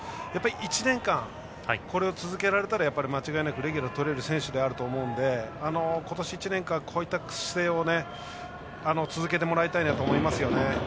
１年間、これを続けられたら間違いなくレギュラーをとれる選手だと思うので今年１年間、こうした姿勢を続けてもらいたいなと思います。